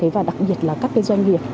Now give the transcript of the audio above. và đặc biệt là các cái doanh nghiệp